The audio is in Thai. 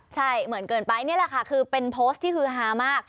ใช่เหมือนเกินไปนี่แหละค่ะคือเป็นโพสต์ที่ฮือฮามาก